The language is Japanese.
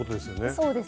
そうですね。